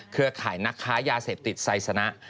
เครือข่ายนักค้ายาเสพติดไซสนะ